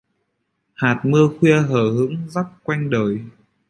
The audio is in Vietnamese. Hạt mưa khuya hờ hững rắc quanh đời